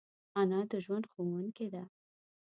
انا د ژوند ښوونکی ده